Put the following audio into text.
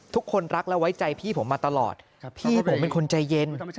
ทุกคนรักและไว้ใจพี่ผมมาตลอดพี่ผมเป็นคนใจเย็น